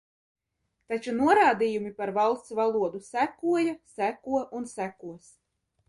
Taču norādījumi par Valsts valodu sekoja, seko un sekos.